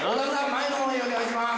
前の方へお願いします